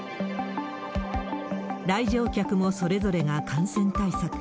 来場客もそれぞれが感染対策。